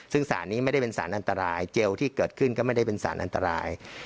ซึ่งสารนี้ไม่ได้เป็นสารอันตรายเจลที่เกิดขึ้นก็ไม่ได้เป็นสารอันตราย